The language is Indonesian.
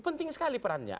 penting sekali perannya